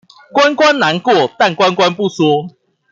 關關難過，但關關不說